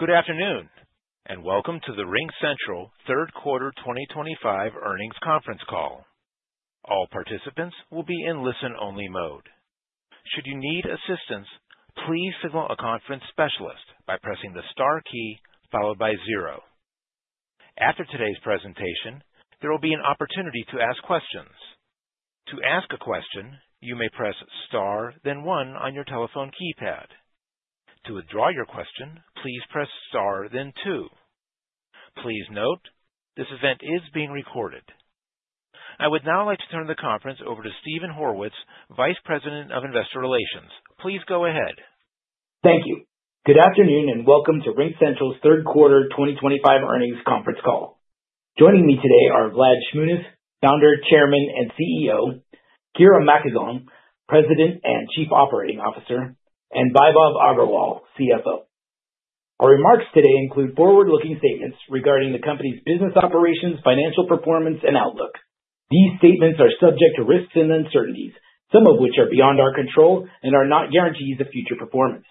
Good afternoon, and welcome to the RingCentral Third Quarter 2025 Earnings Conference Call. All participants will be in listen-only mode. Should you need assistance, please signal a conference specialist by pressing the star key followed by zero. After today's presentation, there will be an opportunity to ask questions. To ask a question, you may press star then one on your telephone keypad. To withdraw your question, please press star then two. Please note, this event is being recorded. I would now like to turn the conference over to Steven Horwitz, Vice President of Investor Relations. Please go ahead. Thank you. Good afternoon, and welcome to RingCentral's Third Quarter 2025 Earnings Conference Call. Joining me today are Vlad Shmunis, Founder, Chairman, and CEO; Kira Makagon, President and Chief Operating Officer; and Vaibhav Agarwal, CFO. Our remarks today include forward-looking statements regarding the company's business operations, financial performance, and outlook. These statements are subject to risks and uncertainties, some of which are beyond our control, and are not guarantees of future performance.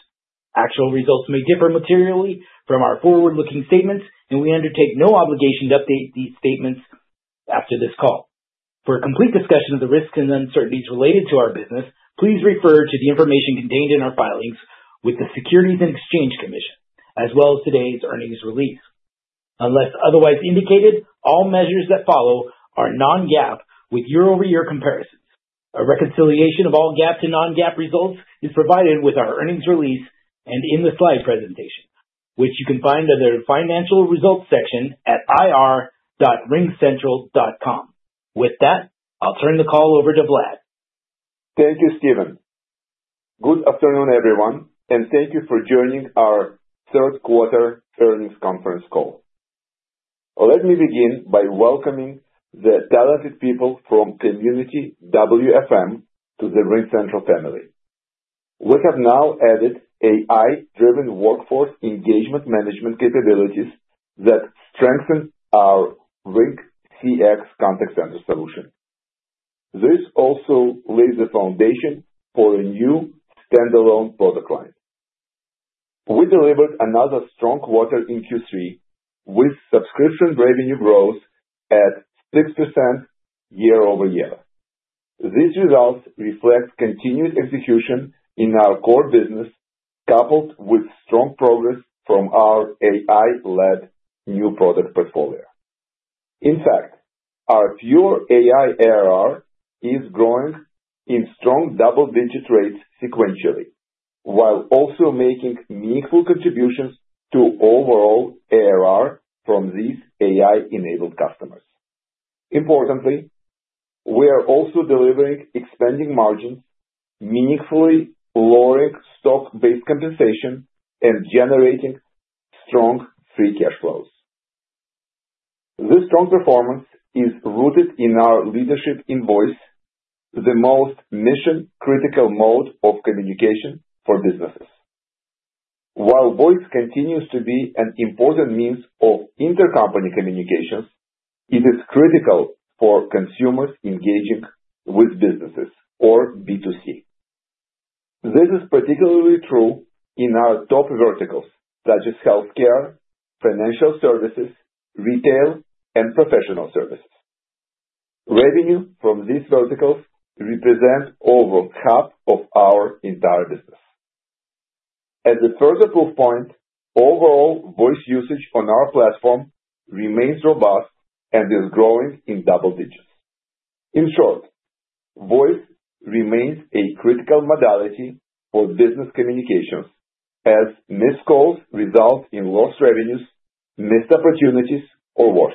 Actual results may differ materially from our forward-looking statements, and we undertake no obligation to update these statements after this call. For a complete discussion of the risks and uncertainties related to our business, please refer to the information contained in our filings with the Securities and Exchange Commission, as well as today's earnings release. Unless otherwise indicated, all measures that follow are non-GAAP with year-over-year comparisons. A reconciliation of all GAAP to non-GAAP results is provided with our earnings release and in the slide presentation, which you can find under the Financial Results section at ir.ringcentral.com. With that, I'll turn the call over to Vlad. Thank you, Steven. Good afternoon, everyone, and thank you for joining our third quarter earnings conference call. Let me begin by welcoming the talented people from CommunityWFM to the RingCentral family. We have now added AI-driven workforce engagement management capabilities that strengthen our RingCX contact center solution. This also lays the foundation for a new standalone product line. We delivered another strong quarter in Q3, with subscription revenue growth at 6% year-over-year. These results reflect continued execution in our core business, coupled with strong progress from our AI-led new product portfolio. In fact, our pure AI ARR is growing in strong double-digit rates sequentially while also making meaningful contributions to overall ARR from these AI-enabled customers. Importantly, we are also delivering expanding margins, meaningfully lowering stock-based compensation, and generating strong free cash flows. This strong performance is rooted in our leadership in voice, the most mission-critical mode of communication for businesses. While voice continues to be an important means of intercompany communications, it is critical for consumers engaging with businesses or B2C. This is particularly true in our top verticals such as healthcare, financial services, retail, and professional services. Revenue from these verticals represents over half of our entire business. As a further proof point, overall voice usage on our platform remains robust and is growing in double digits. In short, voice remains a critical modality for business communications as missed calls result in lost revenues, missed opportunities, or worse.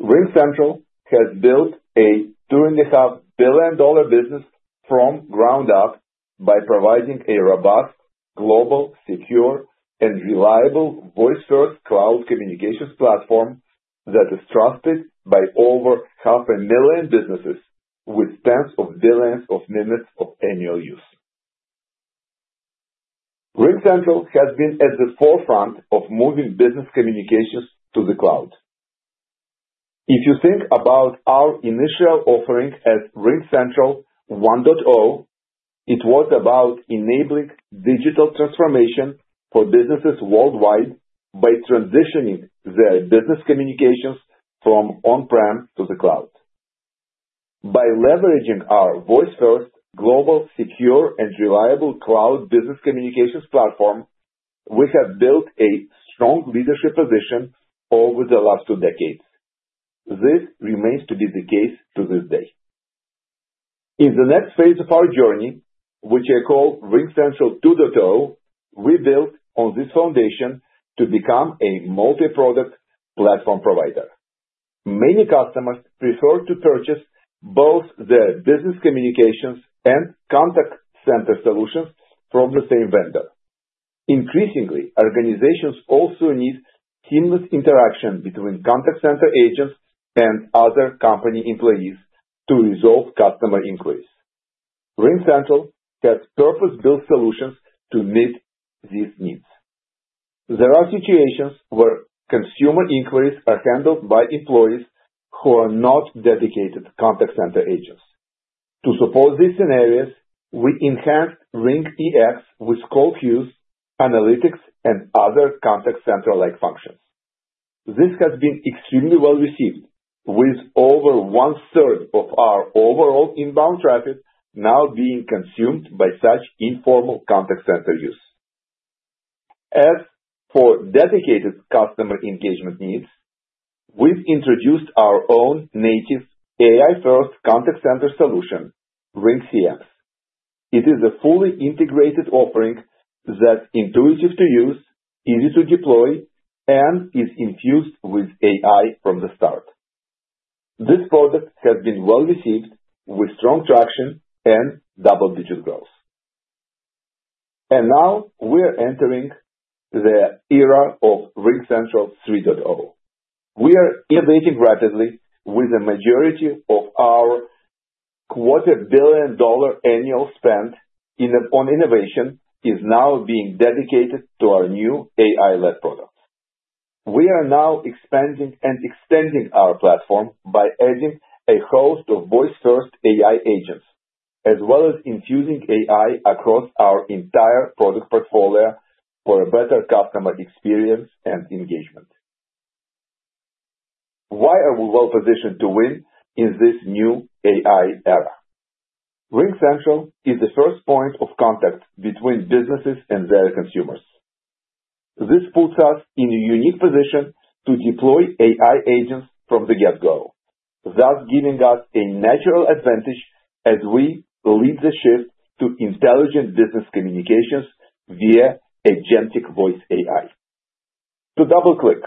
RingCentral has built a $2.5 billion business from the ground up by providing a robust, global, secure, and reliable voice-first cloud communications platform that is trusted by over $500,000 businesses with tens of billions of minutes of annual use. RingCentral has been at the forefront of moving business communications to the cloud. If you think about our initial offering as RingCentral 1.0, it was about enabling digital transformation for businesses worldwide by transitioning their business communications from on-prem to the cloud. By leveraging our voice-first, global, secure, and reliable cloud business communications platform, we have built a strong leadership position over the last two decades. This remains to be the case to this day. In the next phase of our journey, which I call RingCentral 2.0, we built on this foundation to become a multi-product platform provider. Many customers prefer to purchase both their business communications and contact center solutions from the same vendor. Increasingly, organizations also need seamless interaction between contact center agents and other company employees to resolve customer inquiries. RingCentral has purpose-built solutions to meet these needs. There are situations where consumer inquiries are handled by employees who are not dedicated contact center agents. To suppose these scenarios, we enhanced RingEX with call queues, analytics, and other contact center-like functions. This has been extremely well-received, with over 1/3 of our overall inbound traffic now being consumed by such informal contact center use. As for dedicated customer engagement needs, we've introduced our own native AI-First Contact Center Solution, RingCX. It is a fully integrated offering that's intuitive to use, easy to deploy, and is infused with AI from the start. This product has been well-received, with strong traction and double-digit growth. Now we're entering the era of RingCentral 3.0. We are innovating rapidly with a majority of our $0.25 billion annual spend on innovation is now being dedicated to our new AI-led products. We are now expanding and extending our platform by adding a host of voice-first AI agents, as well as infusing AI across our entire product portfolio for a better customer experience and engagement. Why are we well-positioned to win in this new AI era? RingCentral is the first point of contact between businesses and their consumers. This puts us in a unique position to deploy AI agents from the get-go, thus giving us a natural advantage as we lead the shift to intelligent business communications via agentic voice AI. To double-click,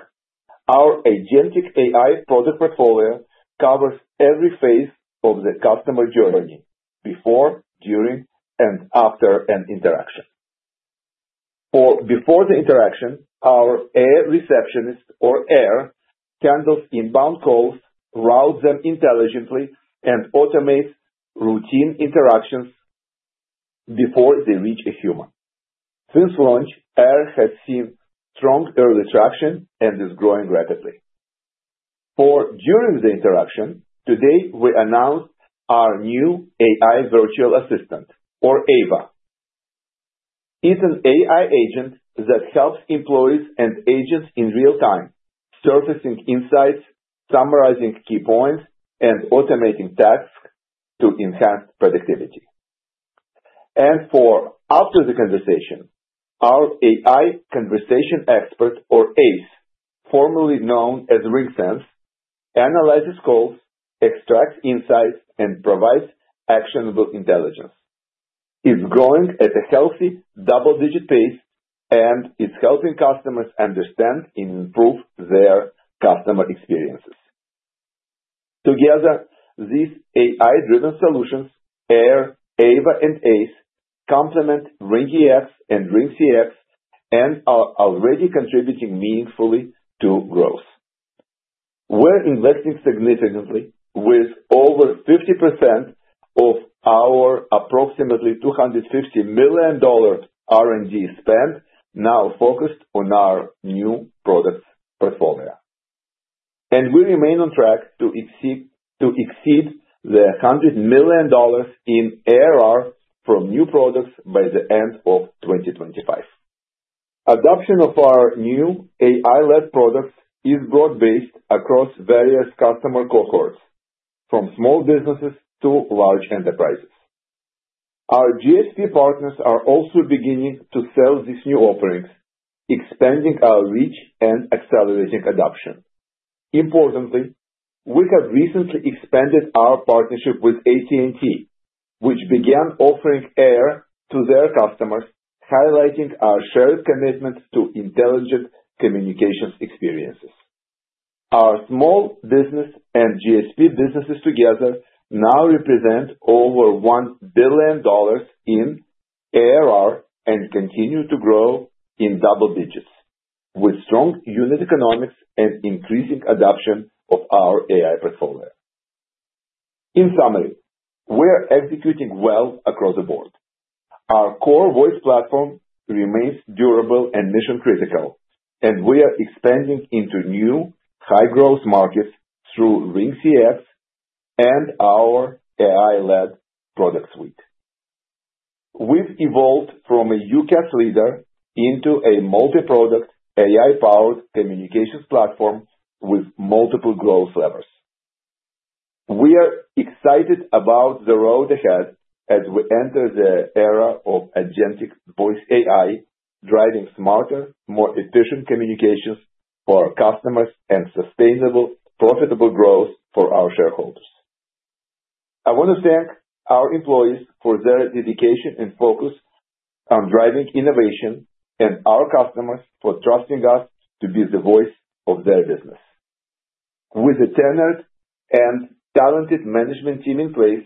our agentic AI product portfolio covers every phase of the customer journey before, during, and after an interaction. For before the interaction, our AI Receptionist or AIR handles inbound calls, routes them intelligently, and automates routine interactions before they reach a human. Since launch, AIR has seen strong early traction and is growing rapidly. During the interaction, today we announced our new AI Virtual Assistant, or AVA. It's an AI agent that helps employees and agents in real time, surfacing insights, summarizing key points, and automating tasks to enhance productivity. For after the conversation, our AI Conversation Expert or ACE, formerly known as RingSense, analyzes calls, extracts insights, and provides actionable intelligence, is growing at a healthy double-digit pace, and is helping customers understand and improve their customer experiences. Together, these AI-driven solutions, AIR, AVA, and ACE, complement RingEX and RingCX and are already contributing meaningfully to growth. We're investing significantly with over 50% of our approximately $250 million R&D spend now focused on our new products portfolio. We remain on track to exceed $100 million in ARR from new products by the end of 2025. Adoption of our new AI-led products is broad-based across various customer cohorts, from small businesses to large enterprises. Our GSP partners are also beginning to sell these new offerings, expanding our reach and accelerating adoption. Importantly, we have recently expanded our partnership with AT&T, which began offering AIR to their customers, highlighting our shared commitments to intelligent communications experiences. Our small business and GSP businesses together now represent over $1 billion in ARR and continue to grow in double digits, with strong unit economics and increasing adoption of our AI portfolio. In summary, we're executing well across the board. Our core voice platform remains durable and mission-critical, and we are expanding into new high-growth markets through RingCX and our AI-led product suite. We've evolved from a UCaaS leader into a multi-product, AI-powered communications platform with multiple growth levers. We are excited about the road ahead as we enter the era of agentic voice AI, driving smarter, more efficient communications for our customers and sustainable, profitable growth for our shareholders. I want to thank our employees for their dedication and focus on driving innovation and our customers for trusting us to be the voice of their business. With a tenured and talented management team in place,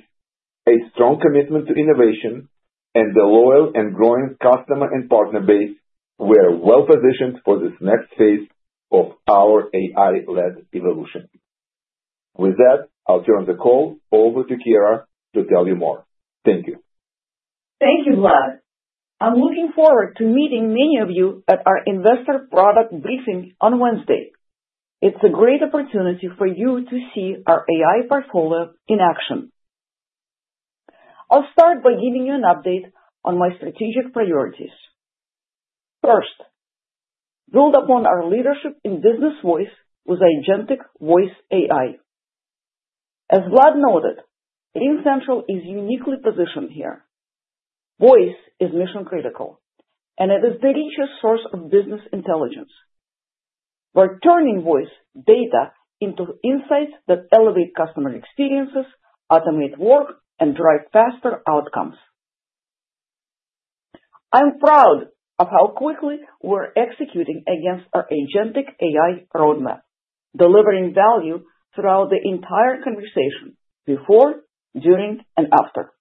a strong commitment to innovation, and a loyal and growing customer and partner base, we're well-positioned for this next phase of our AI-led evolution. With that, I'll turn the call over to Kira to tell you more. Thank you. Thank you, Vlad. I'm looking forward to meeting many of you at our investor product briefing on Wednesday. It's a great opportunity for you to see our AI portfolio in action. I'll start by giving you an update on my strategic priorities. First, build upon our leadership in business voice with agentic voice AI. As Vlad noted, RingCentral is uniquely positioned here. Voice is mission-critical, and it is the richest source of business intelligence. We're turning voice data into insights that elevate customer experiences, automate work, and drive faster outcomes. I'm proud of how quickly we're executing against our agentic AI roadmap, delivering value throughout the entire conversation before, during, and after.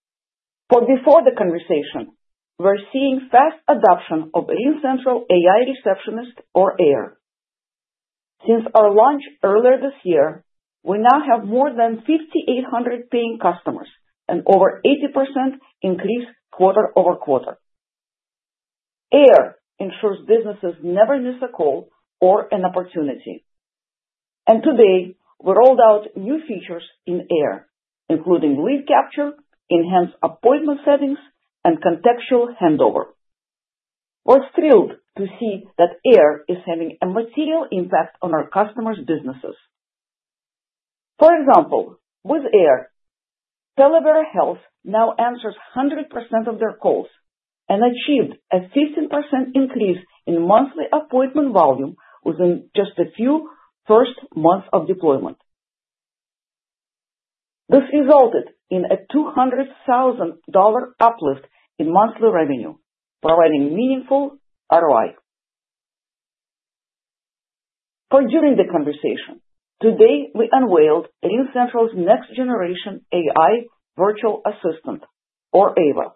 For before the conversation, we're seeing fast adoption of RingCentral AI Receptionist or AIR. Since our launch earlier this year, we now have more than 5,800 paying customers and over 80% increase quarter-over-quarter. AIR ensures businesses never miss a call or an opportunity. Today, we rolled out new features in AIR, including lead capture, enhanced appointment settings, and contextual handover. We're thrilled to see that AIR is having a material impact on our customers' businesses. For example, with AIR, Televero Health now answers 100% of their calls and achieved a 15% increase in monthly appointment volume within just the first few months of deployment. This resulted in a $200,000 uplift in monthly revenue, providing meaningful ROI. During the conversation today, we unveiled RingCentral's next generation AI Virtual Assistant or AVA.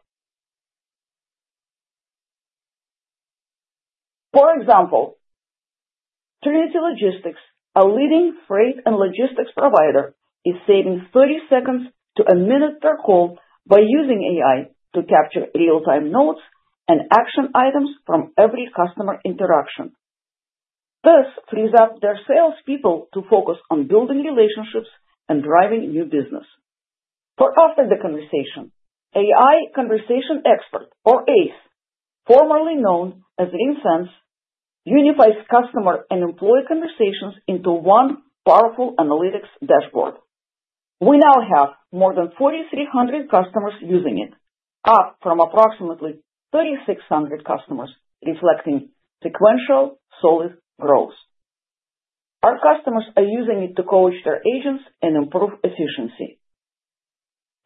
For example, Trinity Logistics, a leading freight and logistics provider, is saving 30 seconds to one minute per call by using AI to capture real-time notes and action items from every customer interaction. This frees up their salespeople to focus on building relationships and driving new business. For after the conversation, AI Conversation Expert or ACE, formerly known as RingSense, unifies customer and employee conversations into one powerful analytics dashboard. We now have more than 4,300 customers using it, up from approximately 3,600 customers, reflecting sequential solid growth. Our customers are using it to coach their agents and improve efficiency.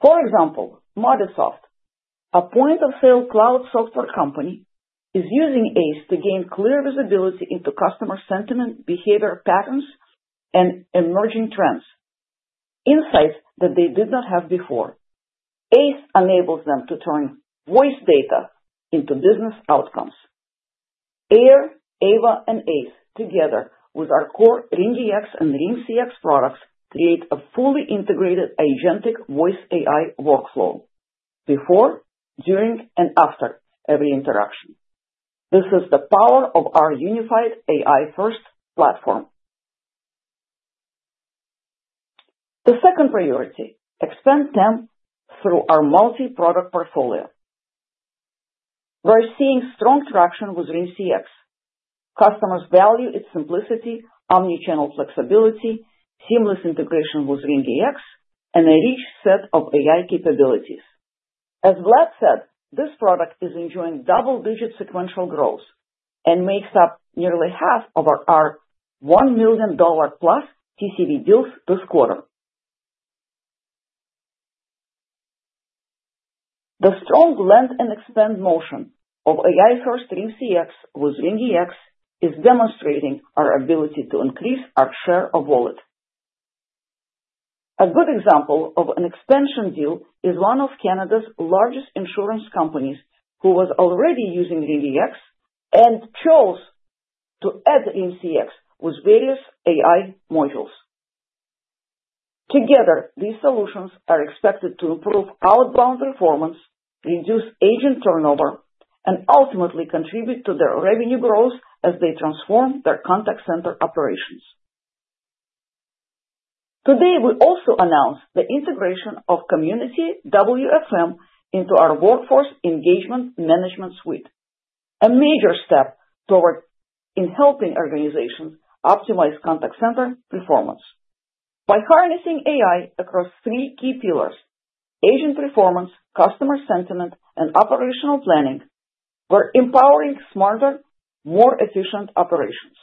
For example, Modisoft, a point-of-sale cloud software company, is using ACE to gain clear visibility into customer sentiment, behavior patterns, and emerging trends, insights that they did not have before. ACE enables them to turn voice data into business outcomes. AIR, AVA, and ACE, together with our core RingEX and RingCX products, create a fully integrated agentic voice AI workflow before, during, and after every interaction. This is the power of our unified AI-first platform. The second priority, expand them through our multi-product portfolio. We're seeing strong traction with RingCX. Customers value its simplicity, omnichannel flexibility, seamless integration with RingEX, and a rich set of AI capabilities. As Vlad said, this product is enjoying double-digit sequential growth and makes up nearly half of our $1 million+ TCV deals this quarter. The strong land and expand motion of AI-first RingCX with RingEX is demonstrating our ability to increase our share of wallet. A good example of an expansion deal is one of Canada's largest insurance companies who was already using RingEX and chose to add RingCX with various AI modules. Together, these solutions are expected to improve outbound performance, reduce agent turnover, and ultimately contribute to their revenue growth as they transform their contact center operations. Today, we also announced the integration of CommunityWFM into our workforce engagement management suite, a major step toward helping organizations optimize contact center performance. By harnessing AI across three key pillars, agent performance, customer sentiment, and operational planning, we're empowering smarter, more efficient operations.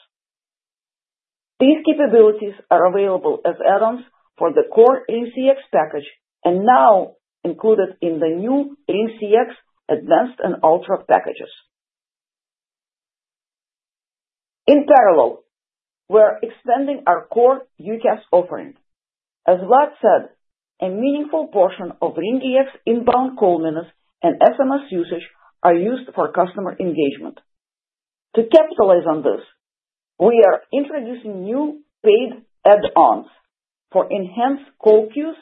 These capabilities are available as add-ons for the core RingCX package and now included in the new RingCX Advanced and Ultra packages. In parallel, we're expanding our core UCaaS offering. As Vlad said, a meaningful portion of RingEX inbound call minutes and SMS usage are used for customer engagement. To capitalize on this, we are introducing new paid add-ons for enhanced call queues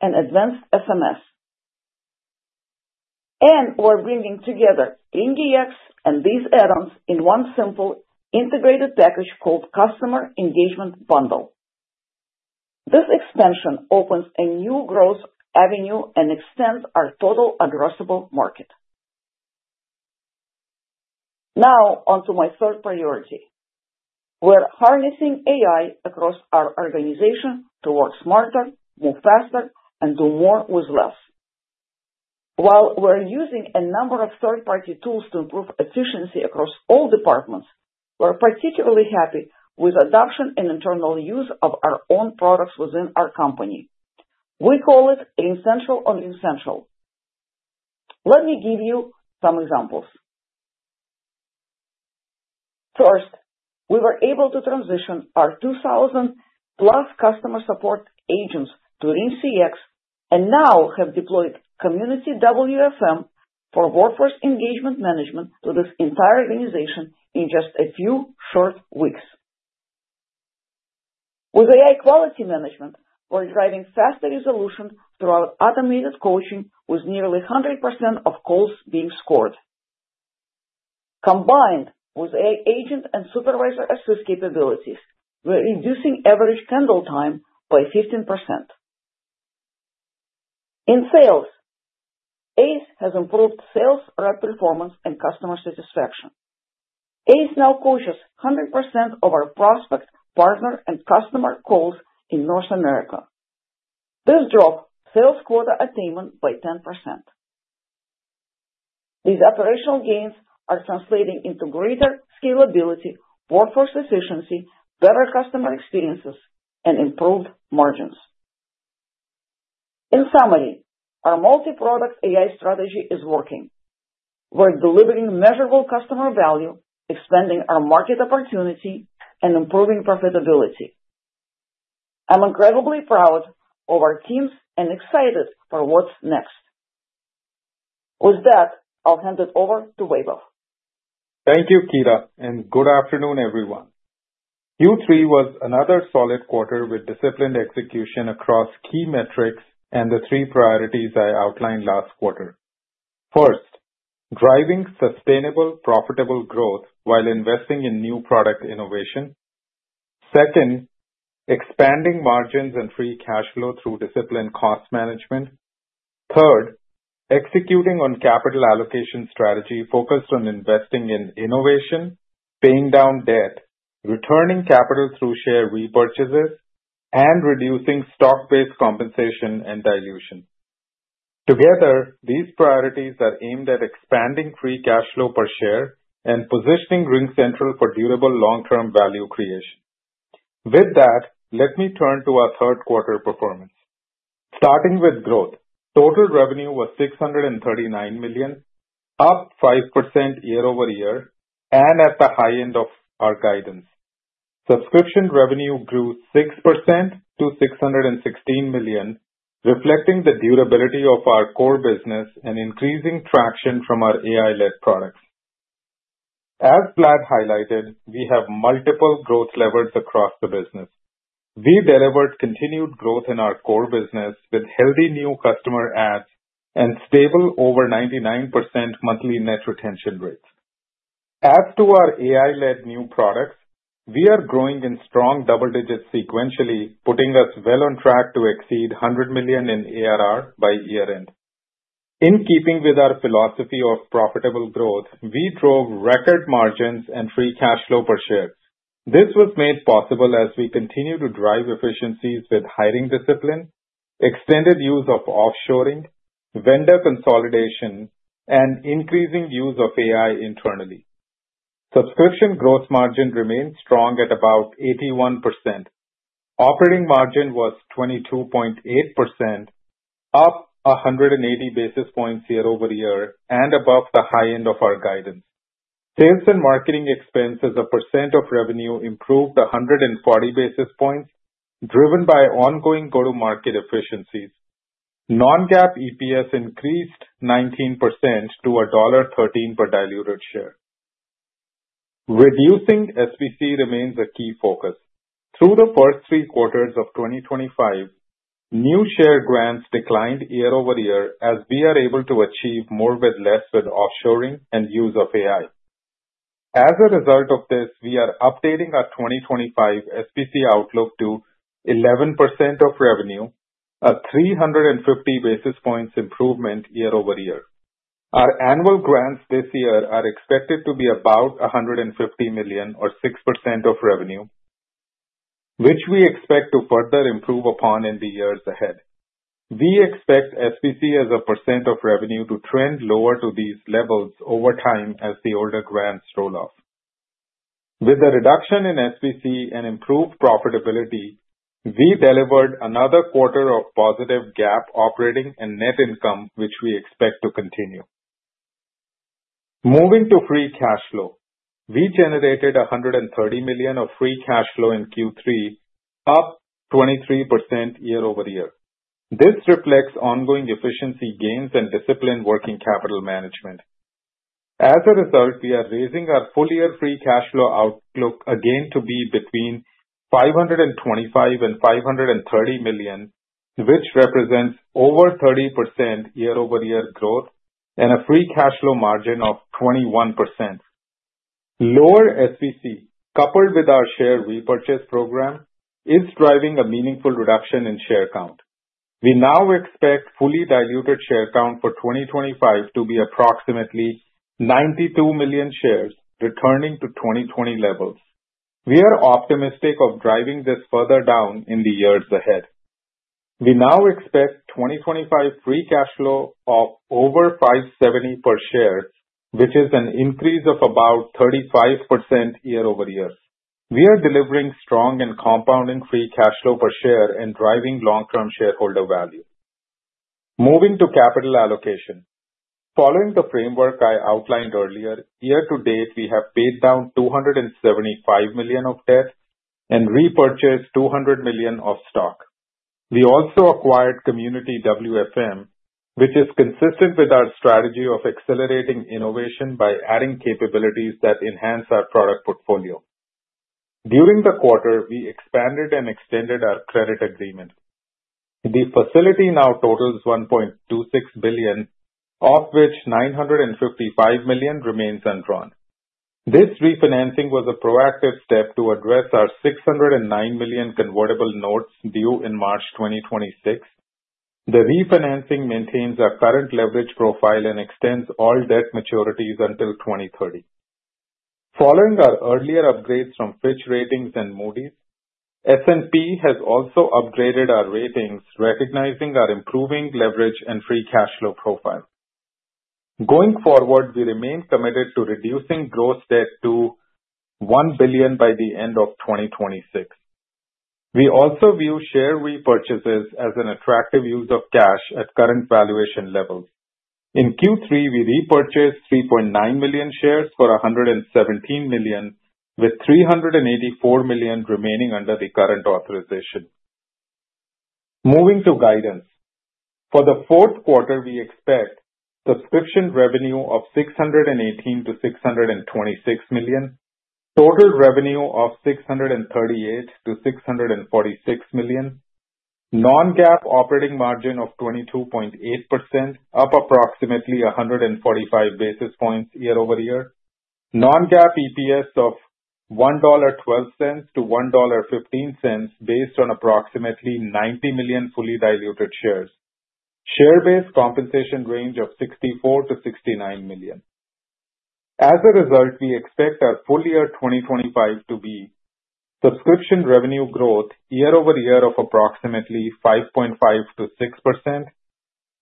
and advanced SMS. We're bringing together RingEX and these add-ons in one simple integrated package called Customer Engagement Bundle. This expansion opens a new growth avenue and extends our total addressable market. Now on to my third priority. We're harnessing AI across our organization to work smarter, move faster, and do more with less. While we're using a number of third-party tools to improve efficiency across all departments, we're particularly happy with adoption and internal use of our own products within our company. We call it RingCentral on RingCentral. Let me give you some examples. First, we were able to transition our 2,000+ customer support agents to RingCX, and now have deployed CommunityWFM for workforce engagement management to this entire organization in just a few short weeks. With AI quality management, we're driving faster resolution through automated coaching, with nearly 100% of calls being scored. Combined with agent and supervisor assist capabilities, we're reducing average handle time by 15%. In sales, ACE has improved sales rep performance and customer satisfaction. ACE now coaches 100% of our prospect, partner, and customer calls in North America. This drove sales quota attainment by 10%. These operational gains are translating into greater scalability, workforce efficiency, better customer experiences, and improved margins. In summary, our multi-product AI strategy is working. We're delivering measurable customer value, expanding our market opportunity, and improving profitability. I'm incredibly proud of our teams and excited for what's next. With that, I'll hand it over to Vaibhav. Thank you, Kira, and good afternoon, everyone. Q3 was another solid quarter with disciplined execution across key metrics and the three priorities I outlined last quarter. First, driving sustainable, profitable growth while investing in new product innovation. Second, expanding margins and free cash flow through disciplined cost management. Third, executing on capital allocation strategy focused on investing in innovation, paying down debt, returning capital through share repurchases, and reducing stock-based compensation and dilution. Together, these priorities are aimed at expanding free cash flow per share and positioning RingCentral for durable long-term value creation. With that, let me turn to our third quarter performance. Starting with growth. Total revenue was $639 million, up 5% year-over-year, and at the high end of our guidance. Subscription revenue grew 6% to $616 million, reflecting the durability of our core business and increasing traction from our AI-led products. Vlad highlighted, we have multiple growth levers across the business. We delivered continued growth in our core business with healthy new customer adds and stable over 99% monthly net retention rates. As to our AI-led new products, we are growing in strong double digits sequentially, putting us well on track to exceed $100 million in ARR by year-end. In keeping with our philosophy of profitable growth, we drove record margins and free cash flow per share. This was made possible as we continue to drive efficiencies with hiring discipline, extended use of offshoring, vendor consolidation, and increasing use of AI internally. Subscription growth margin remains strong at about 81%. Operating margin was 22.8%, up 180 basis points year-over-year, and above the high end of our guidance. Sales and marketing expense as a percent of revenue improved 140 basis points, driven by ongoing go-to-market efficiencies. non-GAAP EPS increased 19% to $1.13 per diluted share. Reducing SVC remains a key focus. Through the first three quarters of 2025, new share grants declined year-over-year as we are able to achieve more with less with offshoring and use of AI. As a result of this, we are updating our 2025 SVC outlook to 11% of revenue, a 350 basis points improvement year-over-year. Our annual grants this year are expected to be about $150 million or 6% of revenue, which we expect to further improve upon in the years ahead. We expect SVC as a percent of revenue to trend lower to these levels over time as the older grants roll off. With the reduction in SVC and improved profitability, we delivered another quarter of positive GAAP operating and net income, which we expect to continue. Moving to free cash flow. We generated $130 million of free cash flow in Q3, up 23% year-over-year. This reflects ongoing efficiency gains and disciplined working capital management. As a result, we are raising our full-year free cash flow outlook again to be between $525 million-$530 million, which represents over 30% year-over-year growth and a free cash flow margin of 21%. Lower SVC, coupled with our share repurchase program, is driving a meaningful reduction in share count. We now expect fully diluted share count for 2025 to be approximately 92 million shares, returning to 2020 levels. We are optimistic of driving this further down in the years ahead. We now expect 2025 free cash flow of over $5.70 per share, which is an increase of about 35% year-over-year. We are delivering strong and compounding free cash flow per share and driving long-term shareholder value. Moving to capital allocation. Following the framework I outlined earlier, year-to-date, we have paid down $275 million of debt and repurchased $200 million of stock. We also acquired CommunityWFM, which is consistent with our strategy of accelerating innovation by adding capabilities that enhance our product portfolio. During the quarter, we expanded and extended our credit agreement. The facility now totals $1.26 billion, of which $955 million remains undrawn. This refinancing was a proactive step to address our $609 million convertible notes due in March 2026. The refinancing maintains our current leverage profile and extends all debt maturities until 2030. Following our earlier upgrades from Fitch Ratings and Moody's, S&P has also upgraded our ratings, recognizing our improving leverage and free cash flow profile. Going forward, we remain committed to reducing gross debt to $1 billion by the end of 2026. We also view share repurchases as an attractive use of cash at current valuation levels. In Q3, we repurchased 3.9 million shares for $117 million, with $384 million remaining under the current authorization. Moving to guidance. For the fourth quarter, we expect subscription revenue of $618 million-$626 million, total revenue of $638 million-$646 million, non-GAAP operating margin of 22.8%, up approximately 145 basis points year-over-year, non-GAAP EPS of $1.12-$1.15 based on approximately 90 million fully diluted shares. Share-based compensation range of $64 million-$69 million. As a result, we expect our full year 2025 to be subscription revenue growth year-over-year of approximately 5.5%-6%,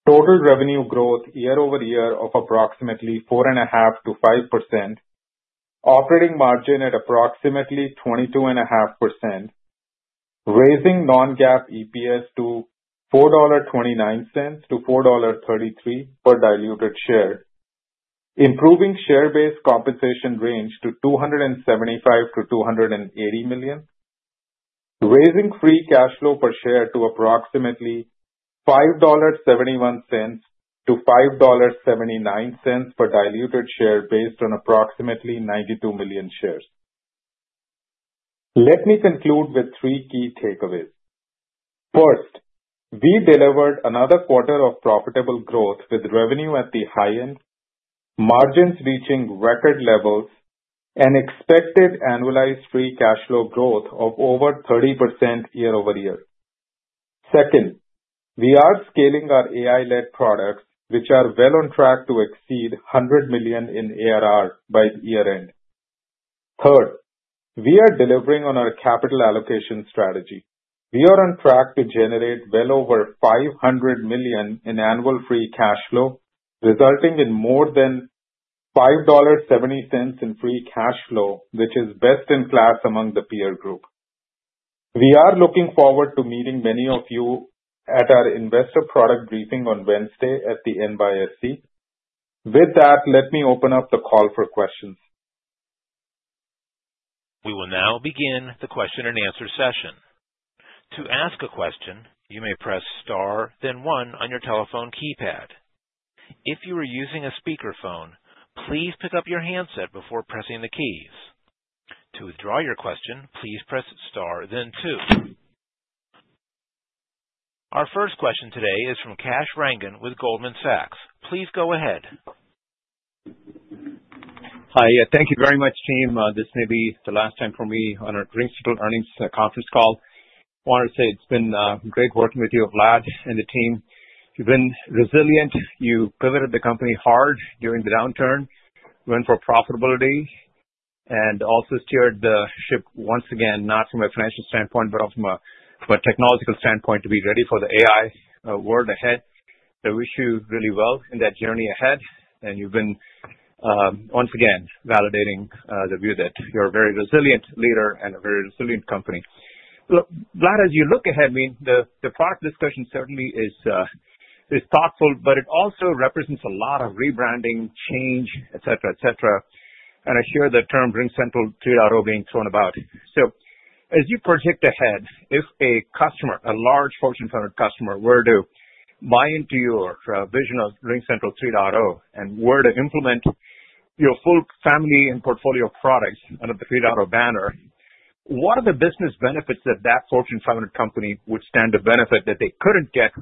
total revenue growth year-over-year of approximately 4.5%-5%, operating margin at approximately 22.5%, raising non-GAAP EPS to $4.29-$4.33 per diluted share, improving share-based compensation range to $275 million-$280 million, raising free cash flow per share to approximately $5.71-$5.79 per diluted share based on approximately 92 million shares. Let me conclude with three key takeaways. First, we delivered another quarter of profitable growth with revenue at the high end, margins reaching record levels, and expected annualized free cash flow growth of over 30% year-over-year. Second, we are scaling our AI-led products, which are well on track to exceed $100 million in ARR by year-end. Third, we are delivering on our capital allocation strategy. We are on track to generate well over $500 million in annual free cash flow, resulting in more than $5.70 in free cash flow, which is best in class among the peer group. We are looking forward to meeting many of you at our investor product briefing on Wednesday at the New York Stock Exchange. With that, let me open up the call for questions. We will now begin the question and answer session. To ask a question, you may press star then one on your telephone keypad. If you are using a speakerphone, please pick up your handset before pressing the keys. To withdraw your question, please press star then two. Our first question today is from Kash Rangan with Goldman Sachs. Please go ahead. Hi. Thank you very much, team. This may be the last time for me on a RingCentral earnings conference call. Wanted to say it's been great working with you, Vlad, and the team. You've been resilient. You pivoted the company hard during the downturn, went for profitability, and also steered the ship once again, not from a financial standpoint, but from a technological standpoint, to be ready for the AI world ahead. I wish you really well in that journey ahead. You've been, once again, validating the view that you're a very resilient leader and a very resilient company. Look, Vlad, as you look ahead, I mean, the product discussion certainly is. It's thoughtful, but it also represents a lot of rebranding change, et cetera. I hear the term RingCentral 3.0 being thrown about. As you predict ahead, if a customer, a large Fortune 100 customer, were to buy into your vision of RingCentral 3.0 and were to implement your full family and portfolio of products under the 3.0 banner, what are the business benefits that that Fortune 100 company would stand to benefit that they couldn't get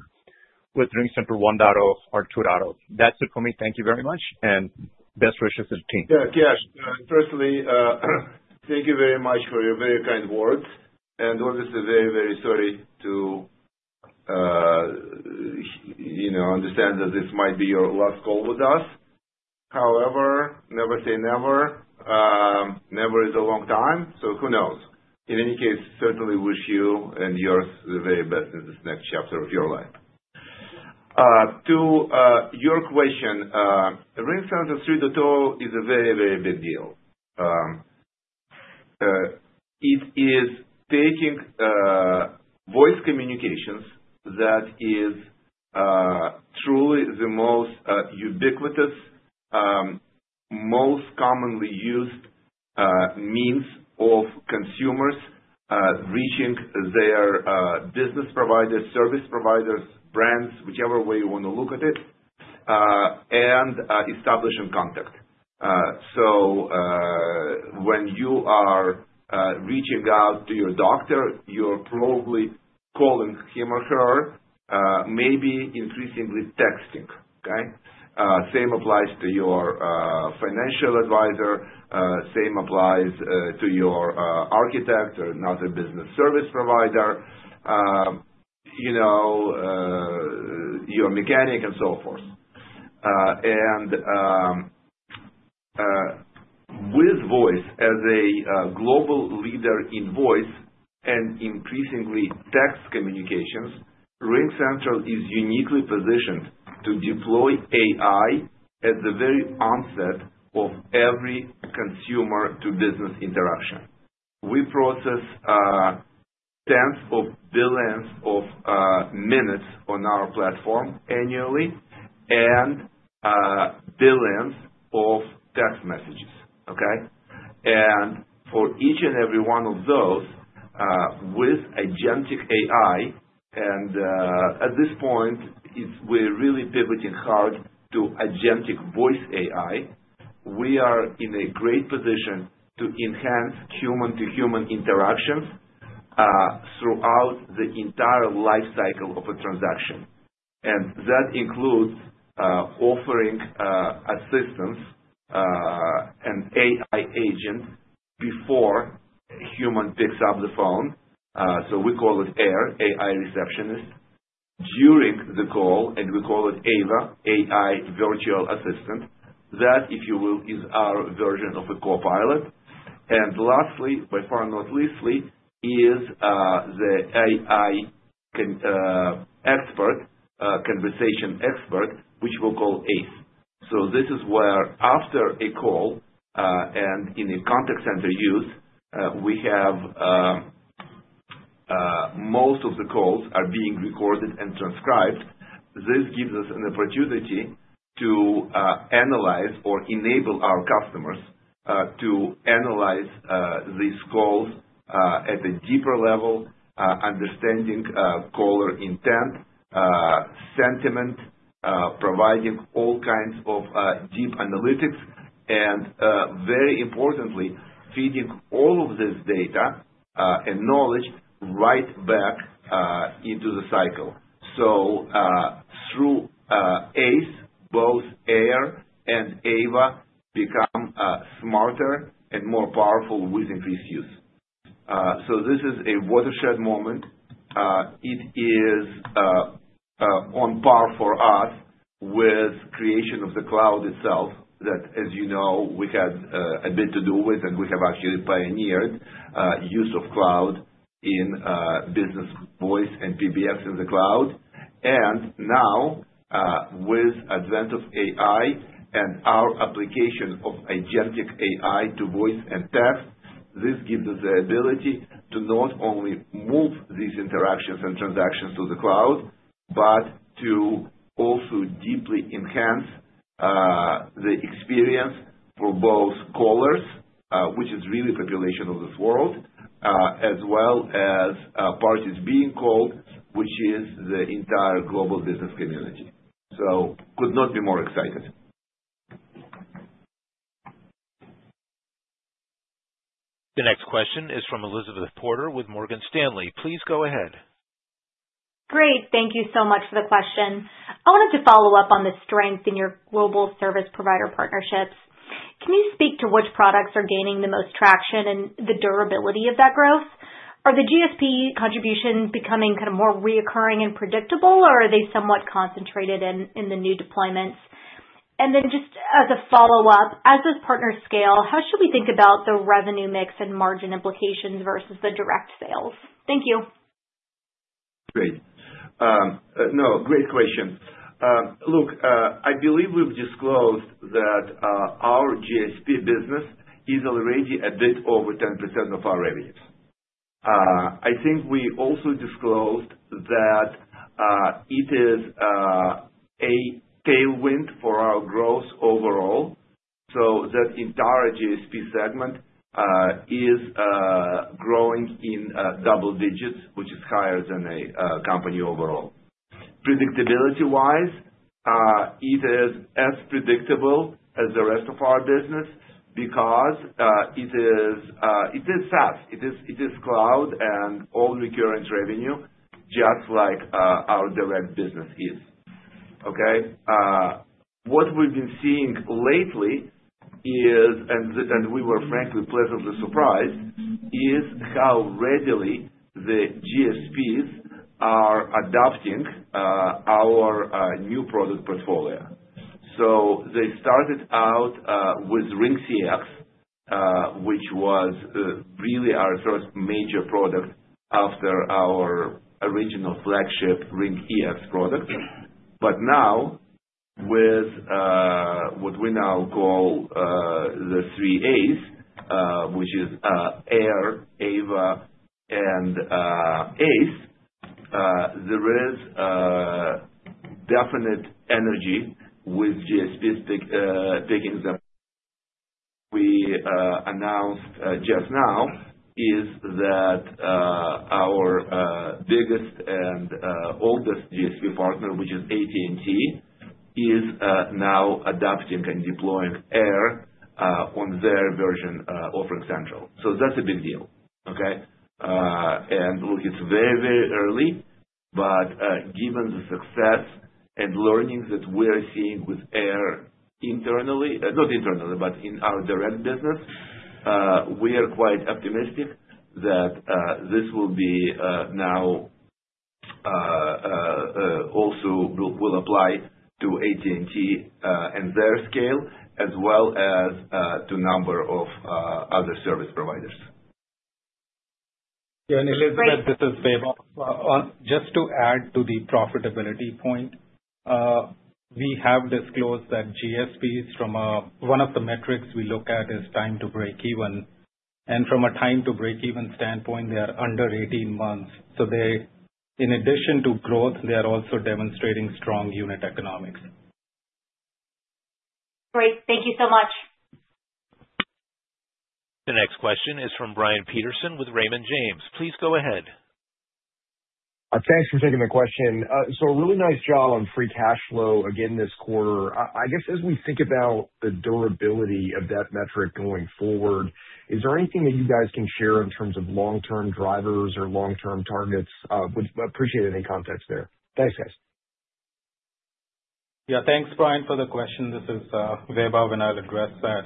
with RingCentral 1.0 or 2.0? That's it for me. Thank you very much and best wishes to the team. Yeah. Kash, firstly, thank you very much for your very kind words, and obviously very sorry to understand that this might be your last call with us. However, never say never. Never is a long time, so who knows? In any case, certainly wish you and yours the very best in this next chapter of your life. To your question, RingCentral 3.0 is a very, very big deal. It is taking voice communications that is truly the most ubiquitous, most commonly used means of consumers reaching their business providers, service providers, brands, whichever way you want to look at it, and establishing contact. So when you are reaching out to your doctor, you're probably calling him or her, maybe increasingly texting. Okay? Same applies to your financial advisor. Same applies to your architect or another business service provider, your mechanic, and so forth. With voice, as a global leader in voice and increasingly text communications, RingCentral is uniquely positioned to deploy AI at the very onset of every consumer-to-business interaction. We process tens of billions of minutes on our platform annually and billions of text messages. Okay? For each and every one of those, with agentic AI, and at this point, we're really pivoting hard to agentic voice AI. We are in a great position to enhance human-to-human interactions throughout the entire life cycle of a transaction. That includes offering assistance and AI agents before a human picks up the phone. We call it AIR, AI Receptionist. During the call, we call it AVA, AI Virtual Assistant. That, if you will, is our version of a copilot. Lastly, by far not leastly, is the AI expert, conversation expert, which we'll call ACE. This is where after a call, and in a contact center use, we have most of the calls are being recorded and transcribed. This gives us an opportunity to analyze or enable our customers to analyze these calls, at a deeper level, understanding caller intent, sentiment, providing all kinds of deep analytics. Very importantly, feeding all of this data and knowledge right back into the cycle. Through ACE, both AIR and AVA become smarter and more powerful with increased use. This is a watershed moment. It is on par for us with creation of the cloud itself. That, as you know, we had a bit to do with, and we have actually pioneered use of cloud in business voice and PBX in the cloud. Now, with advent of AI and our application of agentic AI to voice and text, this gives us the ability to not only move these interactions and transactions to the cloud, but to also deeply enhance the experience for both callers, which is really the population of this world, as well as parties being called, which is the entire global business community. Could not be more excited. The next question is from Elizabeth Porter with Morgan Stanley. Please go ahead. Great. Thank you so much for the question. I wanted to follow up on the strength in your global service provider partnerships. Can you speak to which products are gaining the most traction and the durability of that growth? Are the GSP contributions becoming more recurring and predictable, or are they somewhat concentrated in the new deployments? And then just as a follow-up, as those partners scale, how should we think about the revenue mix and margin implications versus the direct sales? Thank you. Great. No, great question. Look, I believe we've disclosed that our GSP business is already a bit over 10% of our revenues. I think we also disclosed that it is a tailwind for our growth overall. That entire GSP segment is growing in double digits, which is higher than a company overall. Predictability-wise, it is as predictable as the rest of our business because it is SaaS, it is cloud and all recurring revenue, just like our direct business is. Okay? What we've been seeing lately is, and we were frankly pleasantly surprised, is how readily the GSPs are adopting our new product portfolio. They started out with RingCX, which was really our first major product after our original flagship RingEX product. Now, with what we now call the three A's, which is AIR, AVA, and ACE, there is definite energy with GSPs taking them. We announced just now that our biggest and oldest GSP partner, which is AT&T, is now adopting and deploying AIR on their version of RingCentral. So that's a big deal, okay. Look, it's very, very early, but given the success and learnings that we're seeing with AIR internally, not internally, but in our direct business, we are quite optimistic that this will now also apply to AT&T and their scale as well as to a number of other service providers. Elizabeth, this is Vaibhav. Just to add to the profitability point. We have disclosed that GSPs. One of the metrics we look at is time to breakeven. From a time to breakeven standpoint, they are under 18 months. They, in addition to growth, they are also demonstrating strong unit economics. Great. Thank you so much. The next question is from Brian Peterson with Raymond James. Please go ahead. Thanks for taking the question. A really nice job on free cash flow again this quarter. I guess as we think about the durability of that metric going forward, is there anything that you guys can share in terms of long-term drivers or long-term targets? Would appreciate any context there. Thanks, guys. Yeah, thanks, Brian, for the question. This is Vaibhav, and I'll address that.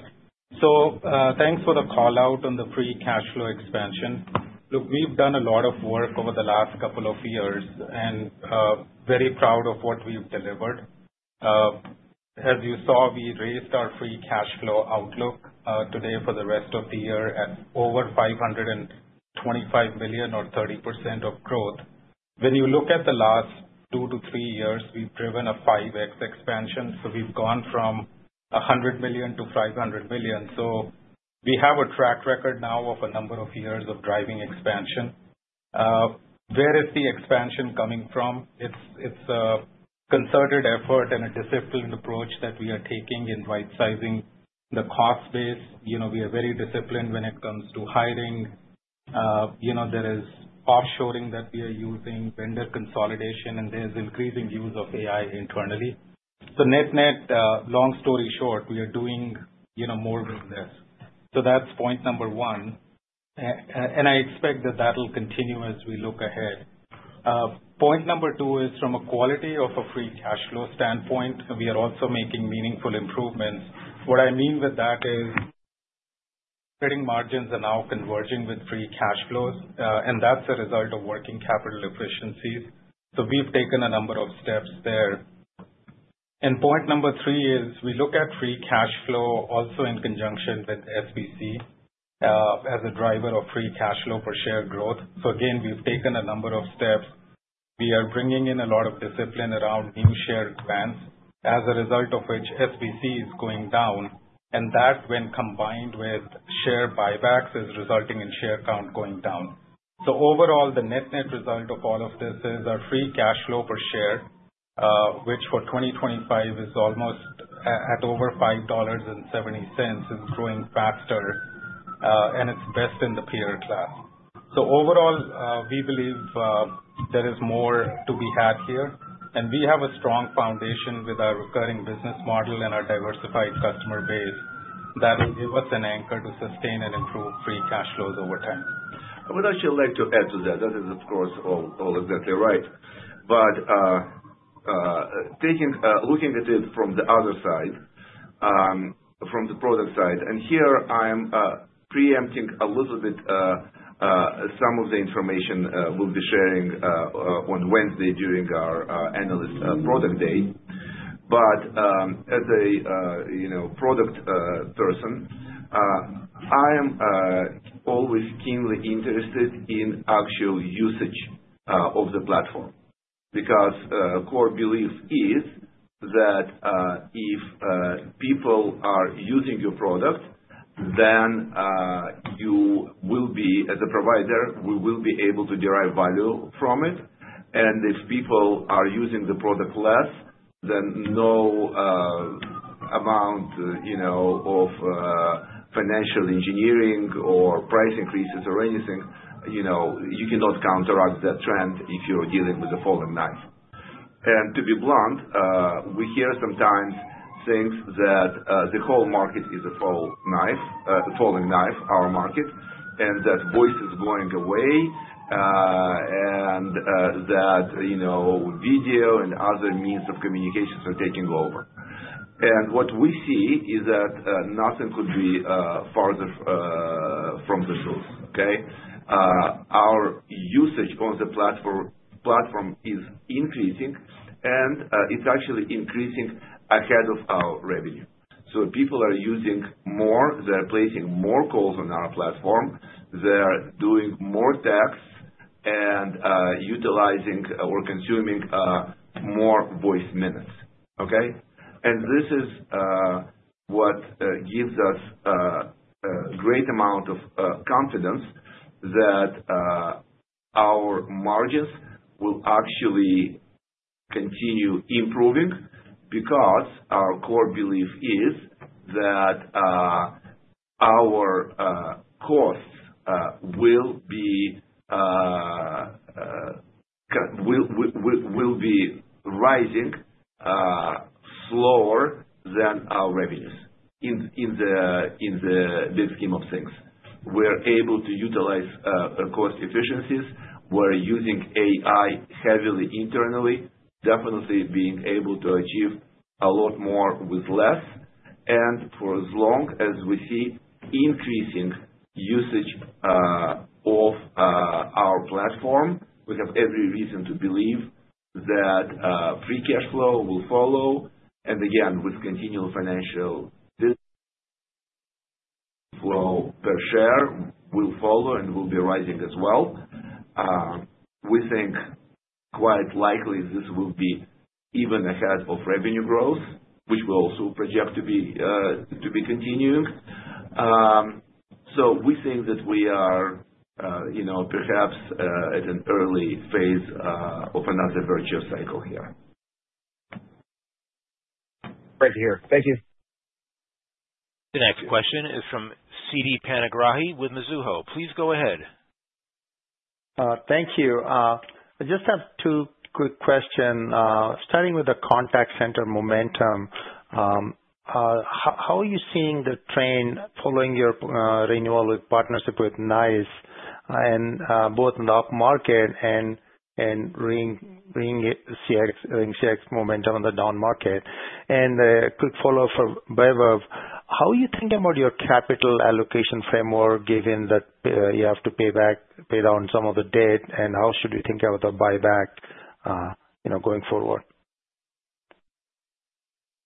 Thanks for the call-out on the free cash flow expansion. Look, we've done a lot of work over the last couple of years, and very proud of what we've delivered. As you saw, we raised our free cash flow outlook today for the rest of the year at over $525 million or 30% growth. When you look at the last two to three years, we've driven a 5x expansion. We've gone from $100 million to $500 million. We have a track record now of a number of years of driving expansion. Where is the expansion coming from? It's a concerted effort and a disciplined approach that we are taking in right-sizing the cost base. We are very disciplined when it comes to hiring. There is off-shoring that we are using, vendor consolidation, and there's increasing use of AI internally. Net-net, long story short, we are doing more with less. That's point number one. I expect that that'll continue as we look ahead. Point number two is from a quality of free cash flow standpoint, we are also making meaningful improvements. What I mean with that is EBITDA margins are now converging with free cash flows, and that's a result of working capital efficiencies. We've taken a number of steps there. Point number three is we look at free cash flow also in conjunction with SBC, as a driver of free cash flow per share growth. Again, we've taken a number of steps. We are bringing in a lot of discipline around new share advance, as a result of which SBC is going down, and that, when combined with share buybacks, is resulting in share count going down. Overall, the net-net result of all of this is our free cash flow per share, which for 2025 is almost at over $5.70, is growing faster, and it's best in the peer class. Overall, we believe there is more to be had here, and we have a strong foundation with our recurring business model and our diversified customer base that will give us an anchor to sustain and improve free cash flows over time. I would actually like to add to that. That is, of course, all exactly right. Looking at it from the other side, from the product side, and here I am preempting a little bit some of the information we'll be sharing on Wednesday during our analyst product day. As a you know product person, I am always keenly interested in actual usage of the platform. Our core belief is that if people are using your product, then you will be, as a provider, we will be able to derive value from it. If people are using the product less, then no amount of financial engineering or price increases or anything, you cannot counteract that trend if you're dealing with a falling knife. To be blunt, we hear sometimes things that the whole market is a falling knife, our market, and that voice is going away, and that video and other means of communications are taking over. What we see is that nothing could be farther from the truth, okay? Our usage on the platform is increasing, and it's actually increasing ahead of our revenue. People are using more, they're placing more calls on our platform, they're doing more texts and utilizing or consuming more voice minutes. Okay? This is what gives us a great amount of confidence that our margins will actually continue improving because our core belief is that our costs will be rising slower than our revenues in the big scheme of things. We're able to utilize cost efficiencies. We're using AI heavily internally, definitely being able to achieve a lot more with less. For as long as we see increasing usage of our platform, we have every reason to believe that free cash flow will follow, and again, with continual free cash flow per share will follow and will be rising as well. We think quite likely this will be even ahead of revenue growth, which we also project to be continuing. We think that we are perhaps at an early phase of another virtuous cycle here. Great to hear. Thank you. The next question is from Siti Panigrahi with Mizuho. Please go ahead. Thank you. I just have two quick questions. Starting with the contact center momentum, how are you seeing the trend following your renewal partnership with NiCE and both in the upmarket and RingCX momentum on the downmarket? A quick follow-up for Vaibhav. How are you thinking about your capital allocation framework, given that you have to pay down some of the debt? How should you think about the buyback going forward?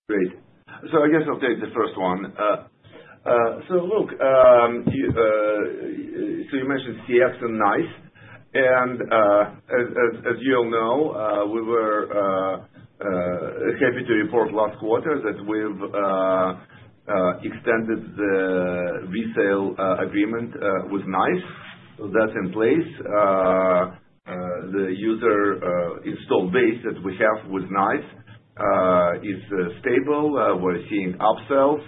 Great. I guess I'll take the first one. Look, you mentioned CX and NiCE, and as you all know, we were happy to report last quarter that we've extended the resale agreement with NiCE. That's in place. The user install base that we have with NiCE is stable. We're seeing upsells.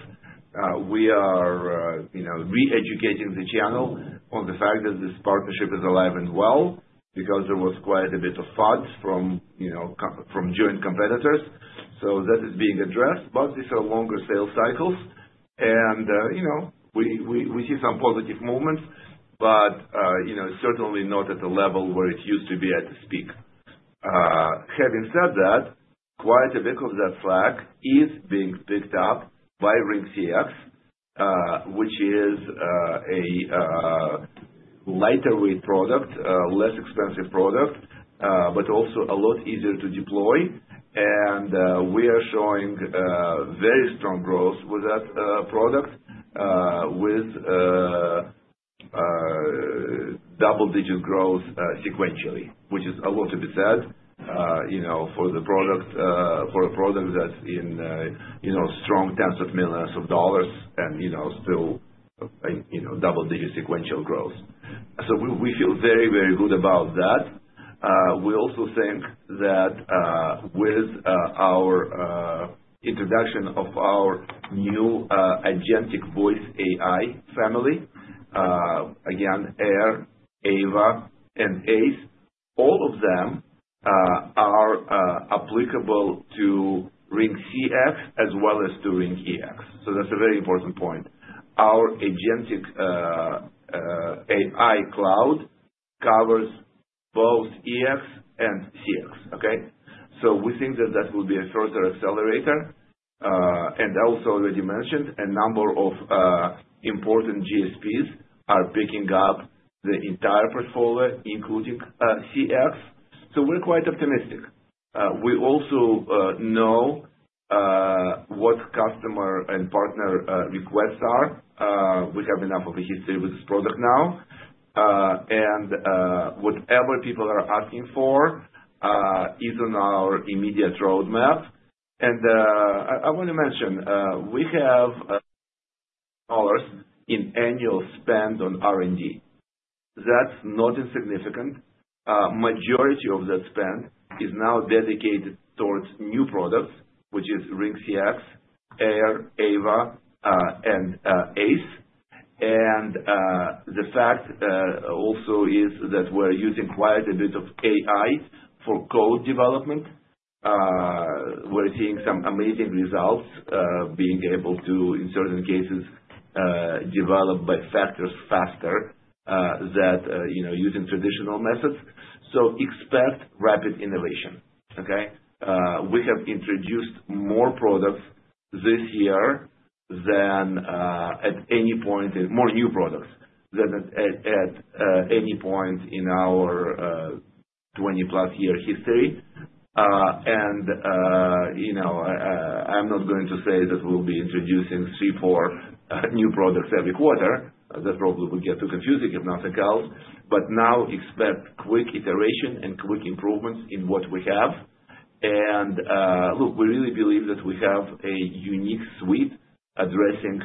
We are re-educating the channel on the fact that this partnership is alive and well because there was quite a bit of fuds from joint competitors. That is being addressed. But these are longer sales cycles, and we see some positive movement, but certainly not at the level where it used to be at its peak. Having said that, quite a bit of that slack is being picked up by RingCX, which is a lighter weight product, a less expensive product, but also a lot easier to deploy. We are showing very strong growth with that product, with double-digit growth sequentially, which is a lot to be said for a product that's in strong tens of millions of dollars and still double-digit sequential growth. We feel very, very good about that. We also think that with our introduction of our new agentic voice AI family, again, AIR, AVA, and ACE, all of them are applicable to RingCX as well as to RingEX. That's a very important point. Our agentic AI cloud covers both EX and CX, okay? We think that that will be a further accelerator. I also already mentioned a number of important GSPs are picking up the entire portfolio, including CX. We're quite optimistic. We also know what customer and partner requests are. We have enough of a history with this product now, and whatever people are asking for is on our immediate roadmap. I want to mention, we have dollars in annual spend on R&D. That's not insignificant. A majority of that spend is now dedicated towards new products, which is RingCX, AIR, AVA, and ACE. The fact also is that we're using quite a bit of AI for code development. We're seeing some amazing results, being able to, in certain cases, develop by factors faster than using traditional methods. Expect rapid innovation. Okay? We have introduced more products this year than at any point. More new products than at any point in our 20+ year history. I'm not going to say that we'll be introducing three, four new products every quarter. That probably would get too confusing if nothing else. We now expect quick iteration and quick improvements in what we have. Look, we really believe that we have a unique suite addressing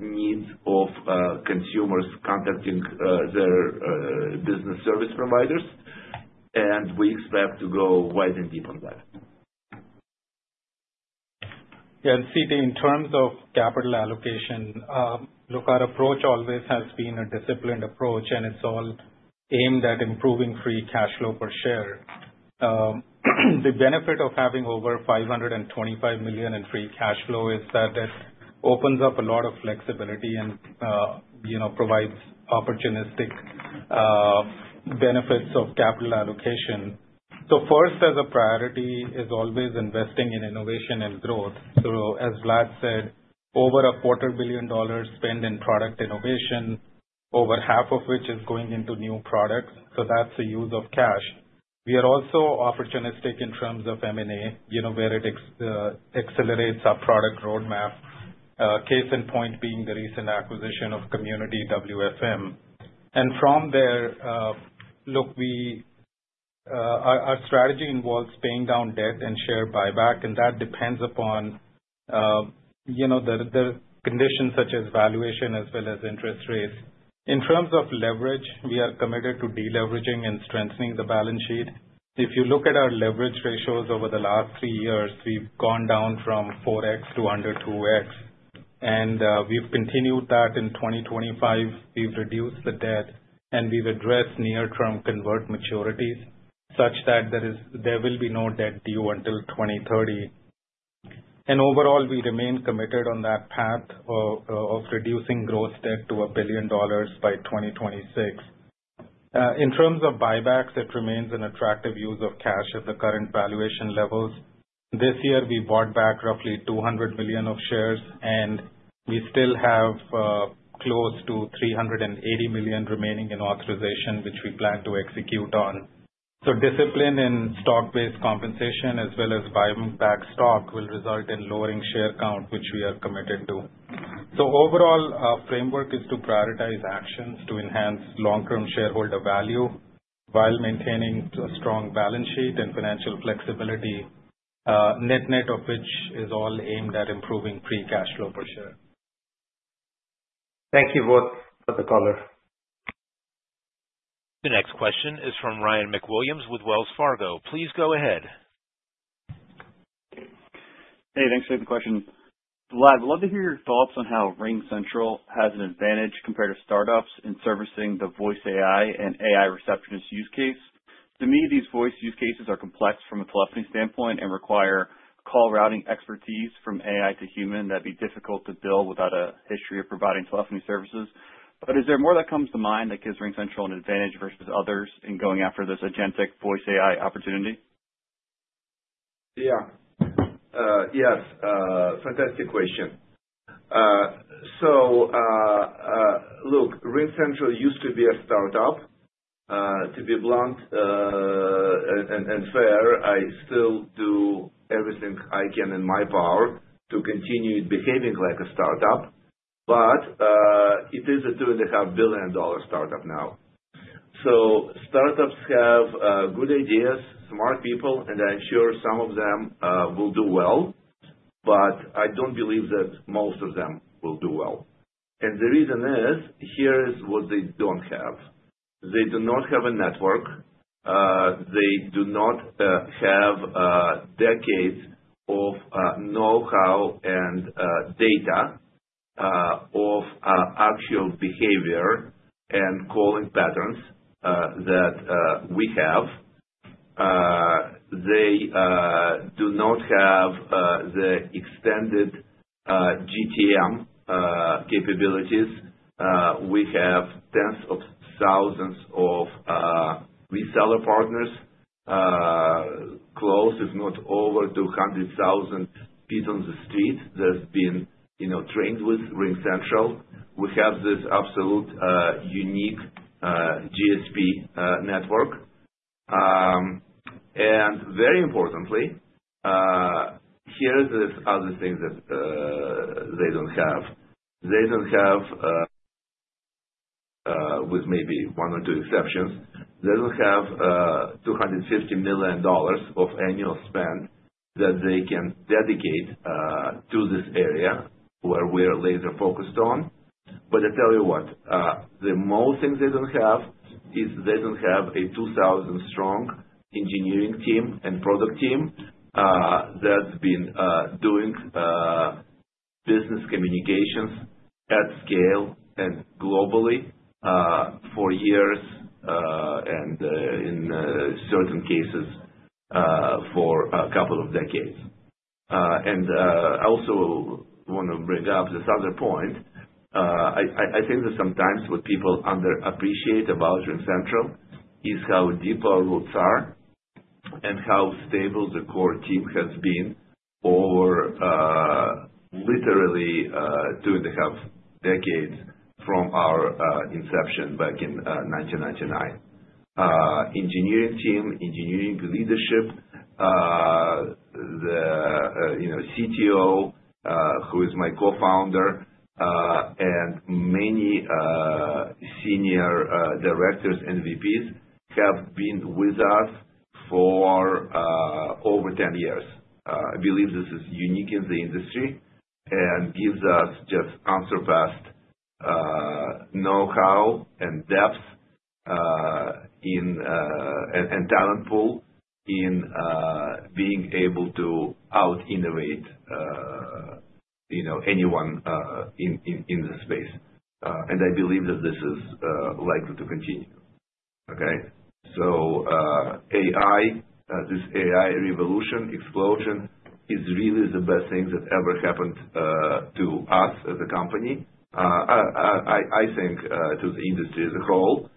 needs of consumers contacting their business service providers. We expect to go wide and deep on that. Yeah, Siti, in terms of capital allocation, look, our approach always has been a disciplined approach, and it's all aimed at improving free cash flow per share. The benefit of having over $525 million in free cash flow is that it opens up a lot of flexibility and provides opportunistic benefits of capital allocation. First as a priority is always investing in innovation and growth. As Vlad said, over $250 million spent in product innovation, over half of which is going into new products. That's the use of cash. We are also opportunistic in terms of M&A, where it accelerates our product roadmap. Case in point being the recent acquisition of CommunityWFM. From there, look, our strategy involves paying down debt and share buyback, and that depends upon the conditions such as valuation as well as interest rates. In terms of leverage, we are committed to deleveraging and strengthening the balance sheet. If you look at our leverage ratios over the last three years, we've gone down from 4x to under 2x. We've continued that in 2025. We've reduced the debt, and we've addressed near-term convert maturities such that there will be no debt due until 2030. Overall, we remain committed on that path of reducing gross debt to $1 billion by 2026. In terms of buybacks, it remains an attractive use of cash at the current valuation levels. This year we bought back roughly $200 million of shares, and we still have close to $380 million remaining in authorization, which we plan to execute on. Discipline in stock-based compensation as well as buying back stock will result in lowering share count, which we are committed to. Overall, our framework is to prioritize actions to enhance long-term shareholder value while maintaining a strong balance sheet and financial flexibility, net-net of which is all aimed at improving free cash flow per share. Thank you both for the color. The next question is from Ryan MacWilliams with Wells Fargo. Please go ahead. Hey, thanks for the question. Vlad, I'd love to hear your thoughts on how RingCentral has an advantage compared to startups in servicing the voice AI and AI Receptionist use case. To me, these voice use cases are complex from a telephony standpoint and require call routing expertise from AI to human that'd be difficult to build without a history of providing telephony services. Is there more that comes to mind that gives RingCentral an advantage versus others in going after this agentic voice AI opportunity? Yeah. Yes. Fantastic question. Look, RingCentral used to be a startup. To be blunt and fair, I still do everything I can in my power to continue behaving like a startup. It is a $2.5 billion startup now. Startups have good ideas, smart people, and I am sure some of them will do well. I don't believe that most of them will do well. The reason is, here is what they don't have. They do not have a network. They do not have decades of know-how and data of actual behavior and calling patterns that we have. They do not have the extended GTM capabilities. We have tens of thousands of reseller partners, close, if not over 200,000 ft on the street that have been trained with RingCentral. We have this absolutely unique GSP network. Very importantly, here is this other thing that they don't have. They don't have, with maybe one or two exceptions, they don't have $250 million of annual spend that they can dedicate to this area where we're laser-focused on. I tell you what, the most thing they don't have is they don't have a 2,000-strong engineering team and product team that's been doing business communications at scale and globally for years, and in certain cases, for a couple of decades. I also want to bring up this other point. I think that sometimes what people underappreciate about RingCentral is how deep our roots are and how stable the core team has been over literally two and a half decades from our inception back in 1999. Engineering team, engineering leadership, the CTO, who is my co-founder, and many senior directors and VPs have been with us for over 10 years. I believe this is unique in the industry and gives us just unsurpassed know-how and depth and talent pool in being able to out-innovate anyone in this space. I believe that this is likely to continue. AI, this AI revolution, explosion, is really the best thing that ever happened to us as a company. I think to the industry as a whole.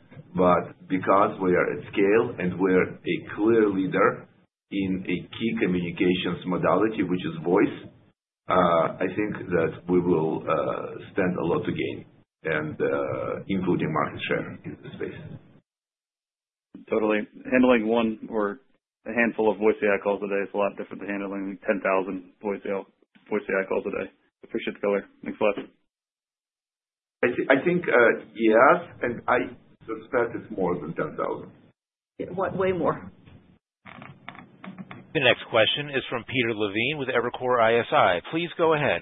Because we are at scale and we're a clear leader in a key communications modality, which is voice, I think that we will stand a lot to gain, including market share in the space. Totally. Handling one or a handful of voice AI calls a day is a lot different than handling 10,000 voice AI calls a day. Appreciate the color. Thanks a lot. I think, yeah, and I suspect it's more than 10,000. Way more. The next question is from Peter Levine with Evercore ISI. Please go ahead.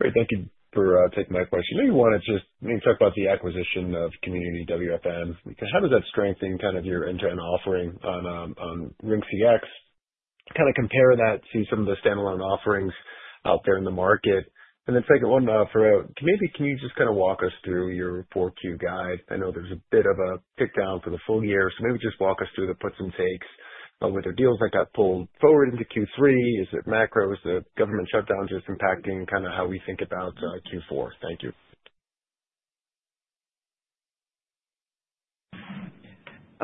Great. Thank you for taking my question. I want to just maybe talk about the acquisition of CommunityWFM. How does that strengthen your end-to-end offering on RingCX? Compare that to some of the standalone offerings out there in the market. The second one for you, maybe can you just walk us through your 4Q guide? I know there's a bit of a tick down for the full year, so maybe just walk us through the puts and takes. Were there deals that got pulled forward into Q3? Is it macro? Is the government shutdown just impacting how we think about Q4? Thank you.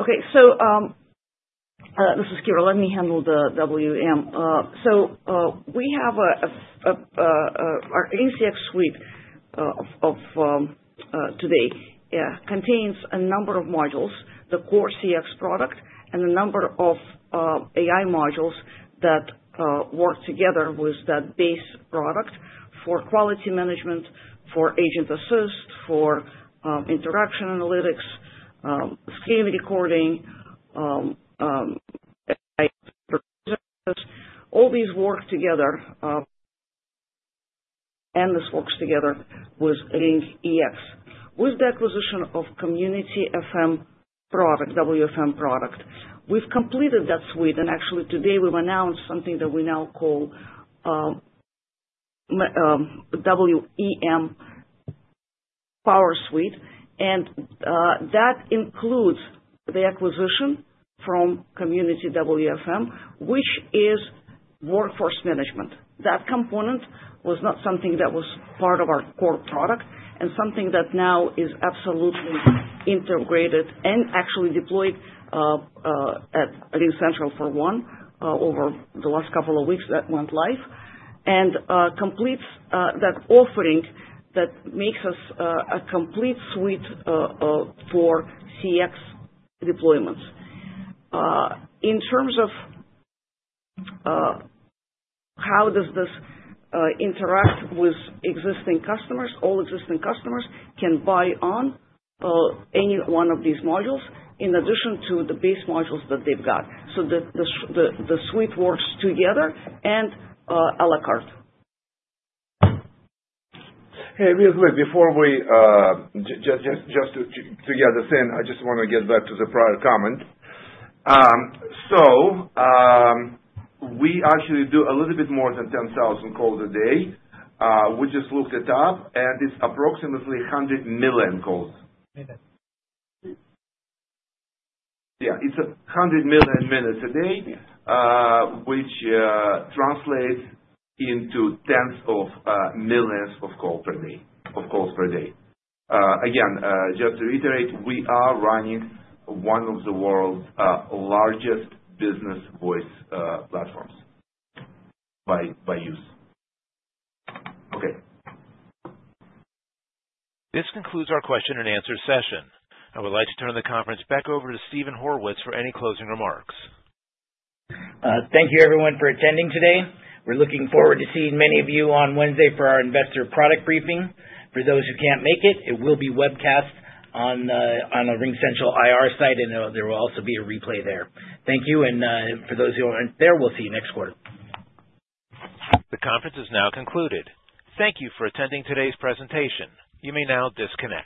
Okay. This is Kira. Let me handle the WEM. We have our RingCX suite of today contains a number of modules, the core CX product, and a number of AI modules that work together with that base product for quality management, for agent assist, for interaction analytics, scaling recording, AI processes. All these work together. This works together with RingEX. With the acquisition of CommunityWFM product, WFM product, we've completed that suite, and actually today we've announced something that we now call WEM Power Suite, and that includes the acquisition from CommunityWFM, which is workforce management. That component was not something that was part of our core product, and something that now is absolutely integrated and actually deployed at RingCentral for one over the last couple of weeks that went live, and completes that offering that makes us a complete suite for CX deployments. In terms of how does this interact with existing customers, all existing customers can buy on any one of these modules in addition to the base modules that they've got. The suite works together and à la carte. Hey, real quick. Just to get this in, I just want to get back to the prior comment. We actually do a little bit more than 10,000 calls a day. We just looked it up and it's approximately 100 million calls. Minutes. Yeah. It's 100 million minutes a day, which translates into tens of millions of calls per day. Again, just to reiterate, we are running one of the world's largest business voice platforms by use. Okay. This concludes our question and answer session. I would like to turn the conference back over to Steven Horwitz for any closing remarks. Thank you everyone for attending today. We're looking forward to seeing many of you on Wednesday for our investor product briefing. For those who can't make it will be webcast on the RingCentral IR site, and there will also be a replay there. Thank you. For those who aren't there, we'll see you next quarter. The conference is now concluded. Thank you for attending today's presentation. You may now disconnect.